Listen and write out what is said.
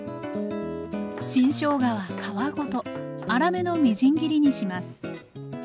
新しょうがは皮ごと粗めのみじん切りにします